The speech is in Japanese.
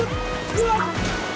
うわっ！